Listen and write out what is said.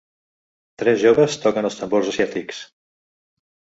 Tres joves toquen els tambors asiàtics